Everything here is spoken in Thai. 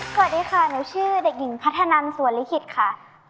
สวัสดีค่ะหนูชื่อเด็กหญิงพัฒนันสวนลิขิตค่ะ